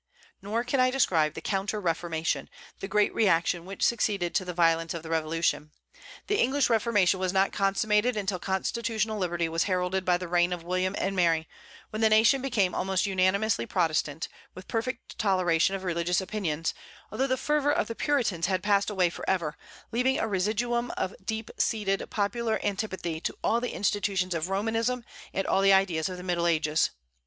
Nor can I describe the counter reformation, the great reaction which succeeded to the violence of the revolution. The English reformation was not consummated until constitutional liberty was heralded by the reign of William and Mary, when the nation became almost unanimously Protestant, with perfect toleration of religious opinions, although the fervor of the Puritans had passed away forever, leaving a residuum of deep seated popular antipathy to all the institutions of Romanism and all the ideas of the Middle Ages.